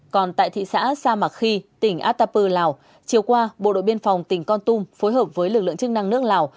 còn tại thị xã sa mạc khi tỉnh atapu lào chiều qua bộ đội biên phòng tỉnh con tum phối hợp với lực lượng chức năng nước lào